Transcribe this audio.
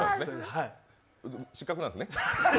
失格なんでね。